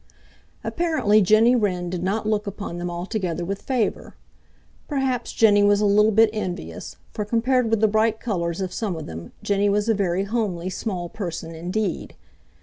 Apparently, Jenny Wren did not look upon them altogether with favor. Perhaps Jenny was a little bit envious, for compared with the bright colors of some of them Jenny was a very homely small person indeed.